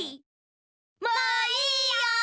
もういいよ！